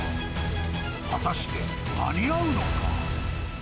果たして、間に合うのか？